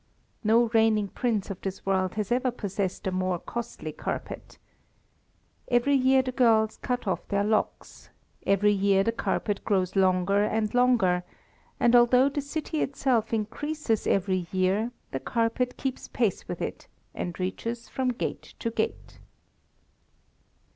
No reigning prince of this world has ever possessed a more costly carpet. Every year the girls cut off their locks; every year the carpet grows longer and longer, and, although the city itself increases every year, the carpet keeps pace with it, and reaches from gate to gate.